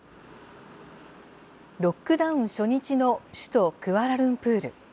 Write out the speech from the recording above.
ロックダウン初日の首都クアラルンプール。